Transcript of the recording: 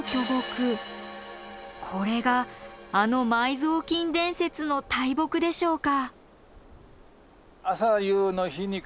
これがあの埋蔵金伝説の大木でしょうか？